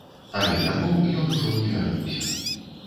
Але дамоў ён ужо не вярнуўся.